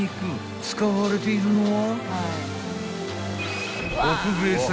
［使われているのは］